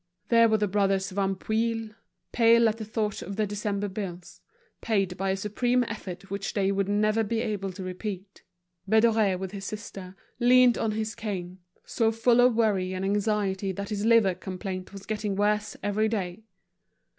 There were the brothers Vanpouille, pale at the thought of their December bills, paid by a supreme effort which they would never be able to repeat. Bédoré, with his sister, leant on his cane, so full of worry and anxiety that his liver complaint was getting worse every day.